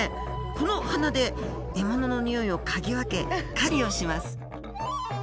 この鼻で獲物のにおいを嗅ぎ分け狩りをします。